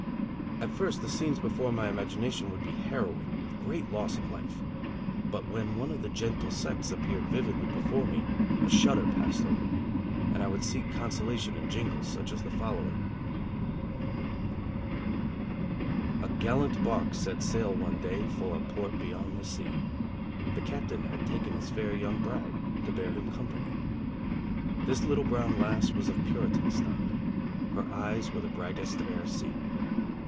At first the scenes before my imagination would be most harrowing, with great loss of life, but when one of the gentle sex appeared vividly before me a shudder passed over me, and I would seek consolation in jingles such as the following: A gallant bark set sail one day For a port beyond the sea, The Captain had taken his fair young bride To bear him company. This little brown lass Was of Puritan stock. Her eyes were the brightest e'er seen.